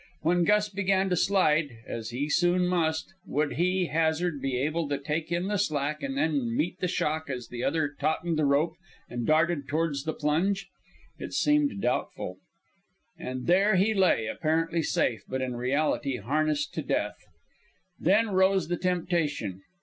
When Gus began to slide as he soon must would he, Hazard, be able to take in the slack and then meet the shock as the other tautened the rope and darted toward the plunge? It seemed doubtful. And there he lay, apparently safe, but in reality harnessed to death. Then rose the temptation.